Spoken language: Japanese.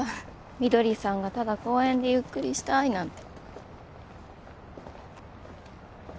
翠さんがただ公園でゆっくりしたいなんて。